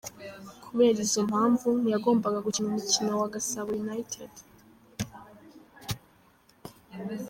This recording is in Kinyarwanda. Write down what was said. Kubera izo mpamvu, ntiyagombaga gukina umukino wa Gasabo United.